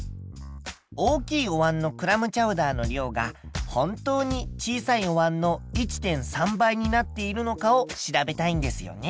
大きいおわんのクラムチャウダーの量が本当に小さいおわんの１．３倍になっているのかを調べたいんですよね。